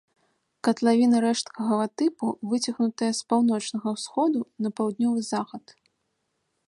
Катлавіна рэшткавага тыпу, выцягнутая з паўночнага ўсходу на паўднёвы захад.